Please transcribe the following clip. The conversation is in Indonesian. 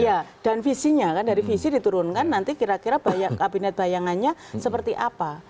iya dan visinya kan dari visi diturunkan nanti kira kira kabinet bayangannya seperti apa